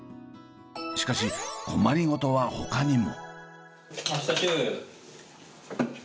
しかし困り事はほかにも。